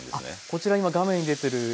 こちら今画面に出てる。